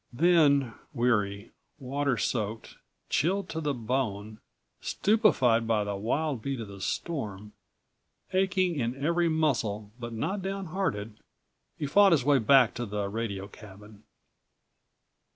Then, weary, water soaked, chilled to the bone, stupefied by the wild beat of the storm, aching in every muscle but not downhearted, he fought his way back to the radio cabin.